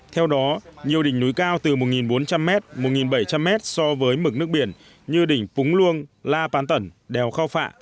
theo đó nhiều đỉnh núi cao từ một bốn trăm linh m một bảy trăm linh m so với mực nước biển như đỉnh phúg luông la pán tẩn đèo khao phạ